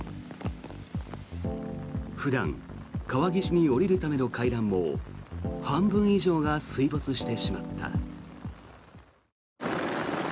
普段、川岸に下りるための階段も半分以上が水没してしまった。